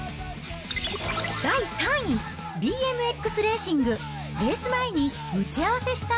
第３位、ＢＭＸレーシング、レース前に打ち合わせした？